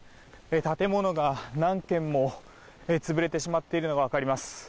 建物が何軒も潰れてしまっているのが分かります。